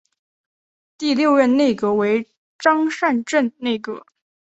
第六任内阁为张善政内阁。